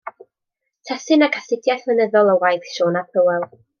Testun ac astudiaeth lenyddol o waith Siôn ap Hywel.